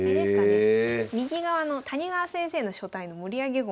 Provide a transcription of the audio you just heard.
右側の谷川先生の書体の盛り上げ駒とかが結構。